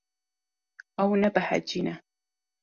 Ew nebehecî ne.